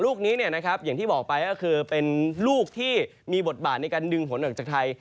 ลูกนี้อย่างที่บอกไปก็คือเป็นลูกที่มีบทบาทในการดึงผลออกจากไทย